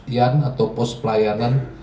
yang atau pos pelayanan